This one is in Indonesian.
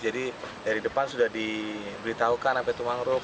jadi dari depan sudah diberitahukan apa itu mangrove